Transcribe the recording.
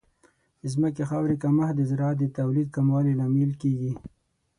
د ځمکې خاورې کمښت د زراعت د تولید کموالی لامل کیږي.